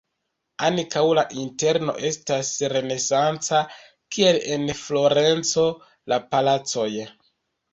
Ankaŭ la interno estas renesanca, kiel en Florenco la palacoj.